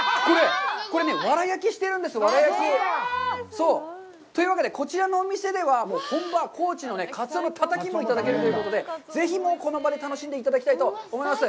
これね、わら焼きしているんですよ。というわけで、こちらのお店では、本場高知のカツオのタタキもいただけるということで、ぜひ、この場で楽しんでいただきたいと思います。